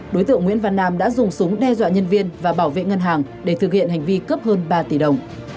đối tượng nguyễn văn nam đã dùng súng đe dọa nhân viên và bảo vệ ngân hàng để thực hiện hành vi cướp hơn ba tỷ đồng